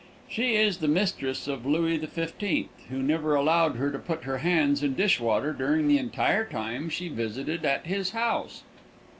She was the mistress of Louis XV, who never allowed her to put her hands in dishwater during the entire time she visited at his house.